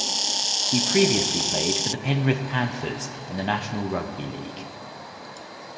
He previously played for the Penrith Panthers in the National Rugby League.